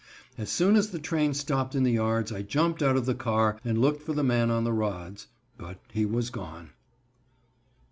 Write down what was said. As soon as the train stopped in the yards I jumped out of the car and looked for the man on the rods, but he was gone.